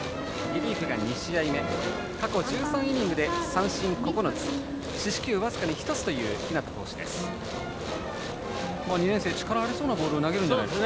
リリーフが２試合目過去１３イニングで三振９つ四死球、僅かに１つという日當投手です。